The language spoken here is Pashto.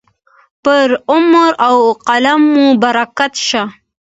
پر عمر او قلم مو برکت شه.